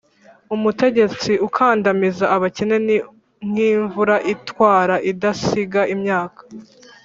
umutegetsi ukandamiza abakene ni nkimvura itwara idasiga imyaka